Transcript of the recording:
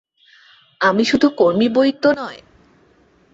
আমি শুধু কর্মী বৈ তো নয়।